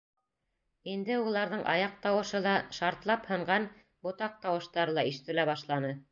Инде уларҙың аяҡ тауышы ла, шартлап һынған ботаҡ тауыштары ла ишетелә башланы.